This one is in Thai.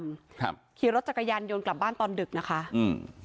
ครับขี่รถจักรยานยนต์กลับบ้านตอนดึกนะคะอืม